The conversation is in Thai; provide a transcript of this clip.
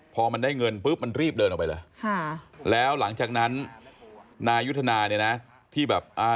พอมันได้เงินปุ๊บมันรีบเดินออกไปเลยค่ะแล้วหลังจากนั้นนายุทธนาเนี่ยนะที่แบบอ่า